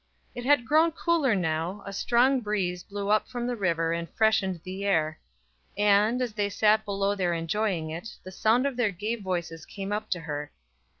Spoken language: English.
It had grown cooler now, a strong breeze blew up from the river and freshened the air; and, as they sat below there enjoying it, the sound of their gay voices came up to her.